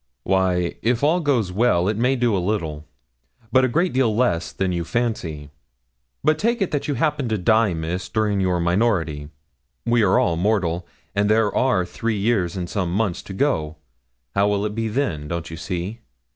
'Why, if all goes well, it may do a little; but a great deal less than you fancy. But take it that you happen to die, Miss, during your minority. We are all mortal, and there are three years and some months to go; how will it be then? Don't you see?